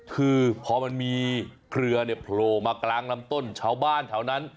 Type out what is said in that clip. คือพอมันมีเครือเนี่ยโผล่มากลางลำต้นชาวบ้านแถวนั้น